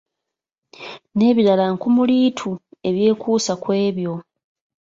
N'ebirala nkumuliitu ebyekuusa ku ebyo.